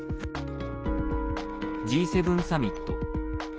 Ｇ７サミット。